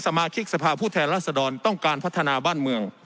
สมาชิกสภาพผู้แทนรัศดรต้องการพัฒนาบ้านเมือง